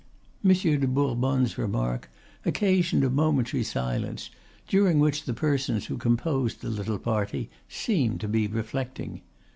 Monsieur de Bourbonne's remark occasioned a momentary silence, during which the persons who composed the little party seemed to be reflecting.